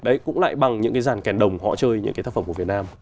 đấy cũng lại bằng những cái ràn kèn đồng họ chơi những cái tác phẩm của việt nam